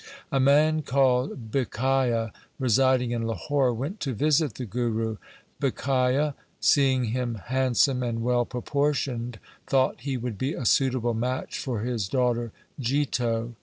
A man called Bhikhia residing in Lahore went to visit the Guru. Bhikhia, seeing him handsome and well proportioned, thought he would be a suitable match for his daughter Jito.